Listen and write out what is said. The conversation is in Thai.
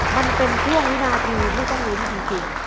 มันเป็นช่วงวินาทีที่ต้องลุ้นจริง